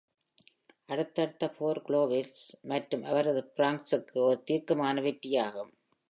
அடுத்தடுத்த போர் க்ளோவிஸ் மற்றும் அவரது ஃபிராங்க்ஸுக்கு ஒரு தீர்க்கமான வெற்றியாகும்.